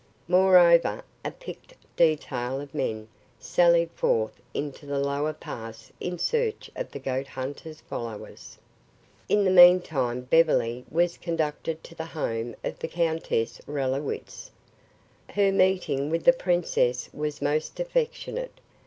Moreover, a picked detail of men sallied forth into the lower pass in search of the goat hunter's followers. In the meantime Beverly was conducted to the home of the Countess Rallowitz. Her meeting with the princess was most affectionate.